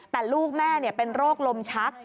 แต่ลูกแม่เป็นโรคลมชัก